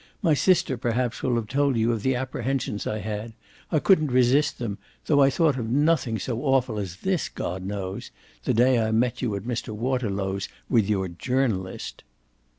My sister perhaps will have told you of the apprehensions I had I couldn't resist them, though I thought of nothing so awful as this, God knows the day I met you at Mr. Waterlow's with your journalist."